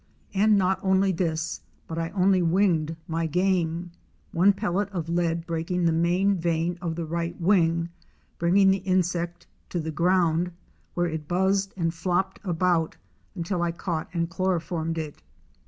And not only this, but I only winged my game! one pellet of lead breaking the main vein of the right wing, bringing the insect to the ground where it buzzed and flopped about until I caught and chloroformed it.